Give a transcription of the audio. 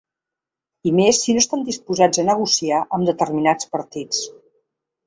I més si no estan disposats a negociar amb determinats partits.